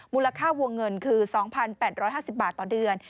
มูลค่าวงเงินคือ๒๘๕๐บาทต่อเดือน